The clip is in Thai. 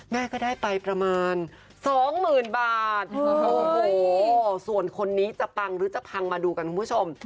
แม่ก็ได้ไปประมาณสองหมื่นบาทโอ้โหส่วนคนนี้จะปังหรือจะพังมาดูกันคุณผู้ชม